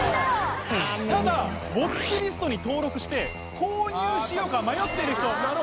ただウォッチリストに登録して購入しようか迷っている人。